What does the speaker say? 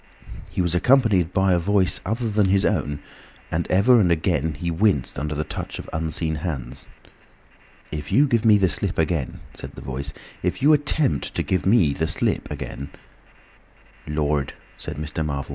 He was accompanied by a voice other than his own, and ever and again he winced under the touch of unseen hands. "If you give me the slip again," said the Voice, "if you attempt to give me the slip again—" "Lord!" said Mr. Marvel.